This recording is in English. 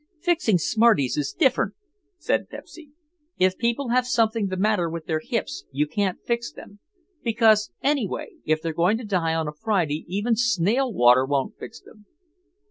"Fixing smarties is different," said Pepsy. "If people have something the matter with their hips you can't fix them. Because, anyway, if they're going to die on a Friday even snail water won't fix them."